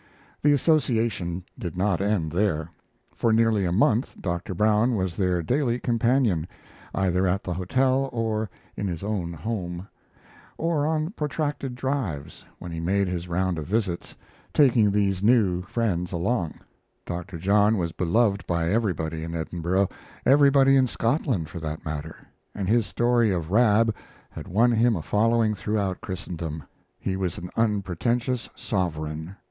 The association did not end there. For nearly a month Dr. Brown was their daily companion, either at the hotel, or in his own home, or on protracted drives when he made his round of visits, taking these new friends along. Dr. John was beloved by everybody in Edinburgh, everybody in Scotland, for that matter, and his story of Rab had won him a following throughout Christendom. He was an unpretentious sovereign.